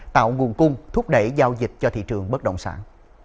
tạo nguồn cung thúc đẩy giao dịch cho thị trường bất động sản